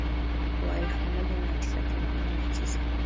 Wa elfu moja mia tisa themanini na tisa